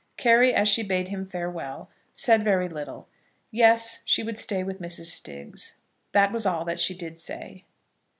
Carry, as she bade him farewell, said very little. Yes; she would stay with Mrs. Stiggs. That was all that she did say.